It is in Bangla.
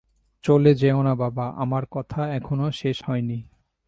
চলে যেওনা বাবা, আমার কথা এখনো শেষ হয় নি।